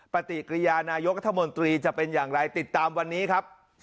ปฏิกิริยานายกรัฐมนตรีจะเป็นอย่างไรติดตามวันนี้ครับ